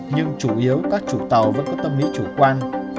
nhưng chủ yếu các chủ tàu vẫn có tâm lý chủ quan